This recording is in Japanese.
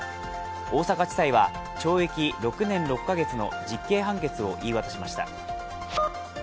大阪地裁は、懲役６年６か月の実刑判決を言い渡しました。